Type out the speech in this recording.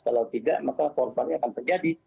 kalau tidak maka korbannya akan terjadi